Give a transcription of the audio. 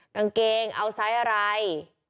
กางเกงเอาไซส์อะไร